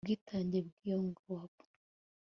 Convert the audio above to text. ubwitange bw'iyo ngabo